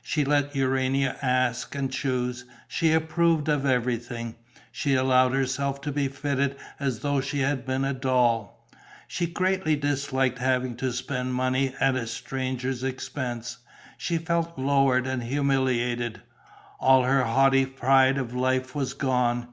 She let Urania ask and choose; she approved of everything. She allowed herself to be fitted as though she had been a doll. She greatly disliked having to spend money at a stranger's expense. She felt lowered and humiliated: all her haughty pride of life was gone.